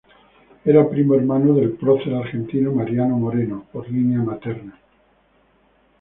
Era primo hermano del prócer argentino Mariano Moreno por línea materna.